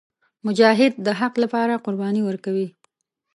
مجاهد د حق لپاره قرباني ورکوي.